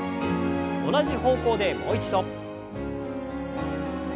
同じ方向でもう一度。